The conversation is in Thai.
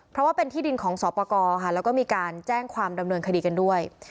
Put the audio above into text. เพราะว่าเป็นที่ดินของสอปกรค่ะแล้วก็มีการแจ้งความดำเนินคดีกันด้วย